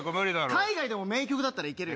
海外でも名曲だったらいけるよ。